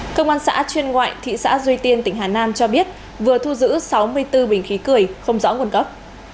công an xã chuyên ngoại thị xã duy tiên tỉnh hà nam cho biết vừa thu giữ sáu mươi bốn bình khí cười không rõ nguồn gốc